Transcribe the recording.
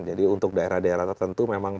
jadi untuk daerah daerah tertentu memang